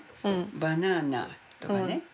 バナナとかね。